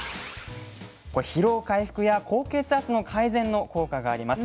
これ「疲労回復や高血圧の改善」の効果があります。